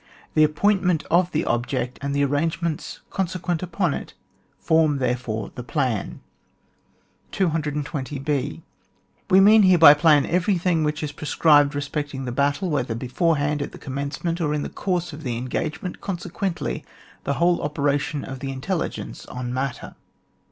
The appointment of the object, and the arrangements consequent upon it, form therefore the plan. 220 h. We mean here, by plan, every thing which is prescribed respecting the battle, whether beforehand, at the com mencement, or in the course of the en gagement ; consequently, the whole ope ration of the intelligence on matter.